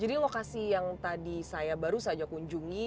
jadi lokasi yang tadi saya baru saja kunjungi